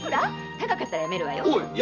高かったらやめるわよ。